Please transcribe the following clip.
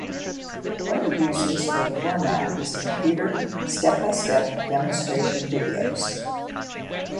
One of the uses for the format is computer step-by-step demonstration videos.